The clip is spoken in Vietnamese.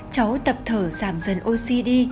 cháu tập thở giảm dần oxy đi